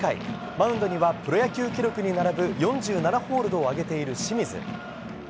マウンドにはプロ野球記録に並ぶ４７ホールドを挙げている清水。